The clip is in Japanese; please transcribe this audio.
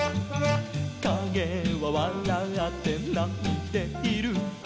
「かげはわらって泣いている」